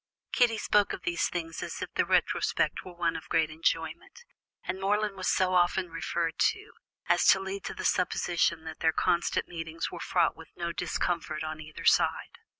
Kitty spoke of these things as if the retrospect were one of great enjoyment, and Morland was so often referred to, as to lead to the supposition that their constant meetings were fraught with no discomfort on either side.